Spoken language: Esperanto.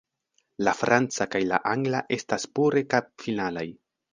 La franca kaj la angla estas pure kap-finalaj.